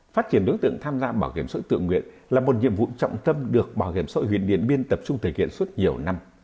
phát triển đối tượng tham gia bảo hiểm xã hội tự nguyện là một nhiệm vụ trọng tâm được bảo hiểm xã hội huyền điện biên tập trung thể kiện suốt nhiều năm